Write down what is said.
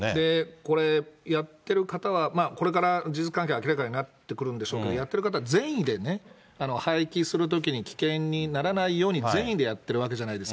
これ、やってる方は、これから事実関係明らかになってくるんでしょうけど、やっている方は善意でね、廃棄するときに危険にならないように、善意でやってるわけじゃないですか。